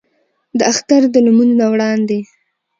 د اختر د لمونځ نه وړاندې